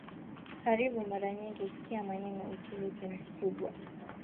karibu Mara nyingi husikia maneno Uturuki Kubwa